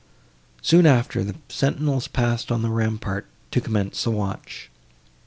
Soon after, the sentinels passed on the rampart to commence the watch.